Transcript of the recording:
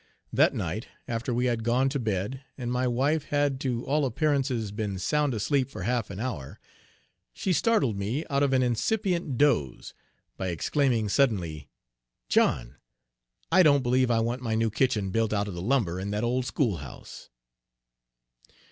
That night, after we had gone to bed, and my wife had to all appearances been sound asleep for half an hour, she startled me out of an incipient doze by exclaiming suddenly, "John, I don't believe I want my new kitchen built out of the lumber in that old schoolhouse."